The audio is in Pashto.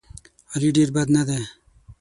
علي ډېر بد نه دی.